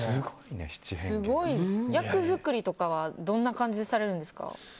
役作りとかはどんな感じでされるんですか？